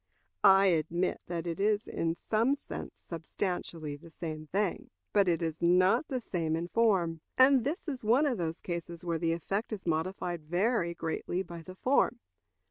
I admit that it is in some sense substantially the same thing, but it is not the same in form. And this is one of those cases where the effect is modified very greatly by the form.